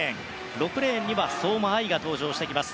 ６レーンには相馬あいが登場してきます。